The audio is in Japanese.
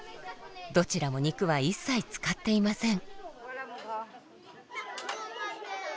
どちらも肉は一切使っていません。